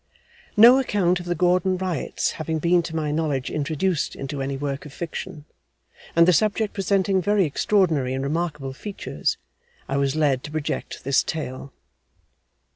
No account of the Gordon Riots having been to my knowledge introduced into any Work of Fiction, and the subject presenting very extraordinary and remarkable features, I was led to project this Tale.